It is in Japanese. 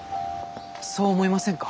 そう思いませんか？